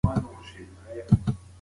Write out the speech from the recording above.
که تباشیر وي نو لیکنه نه پټیږي.